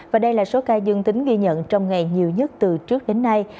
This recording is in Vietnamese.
và đây là số ca dương tính ghi nhận trong ngày nhiều nhất từ trước đến nay